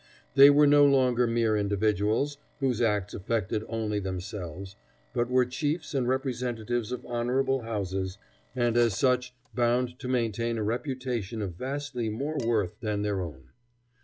They were no longer mere individuals, whose acts affected only themselves, but were chiefs and representatives of honorable houses, and as such bound to maintain a reputation of vastly more worth than their own.